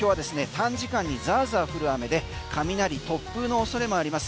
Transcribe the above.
短時間にザーザー降る雨で雷突風の恐れもあります。